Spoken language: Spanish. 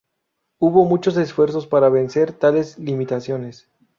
Hubo muchos esfuerzos para vencer tales limitaciones.